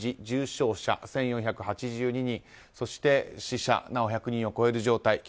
重症者１４８２人そして、死者なお１００人を超える状態。